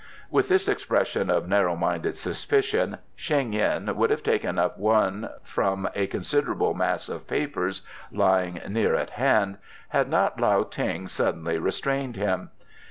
With this expression of narrow minded suspicion Sheng yin would have taken up one from a considerable mass of papers lying near at hand, had not Lao Ting suddenly restrained him.